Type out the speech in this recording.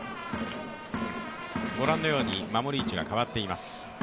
ご覧のように守り位置が変わっています。